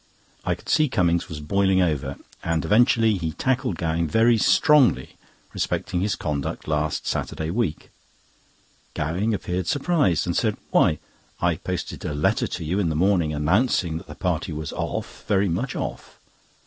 I could see Cummings was boiling over, and eventually he tackled Gowing very strongly respecting his conduct last Saturday week. Gowing appeared surprised, and said: "Why, I posted a letter to you in the morning announcing that the party was 'off, very much off.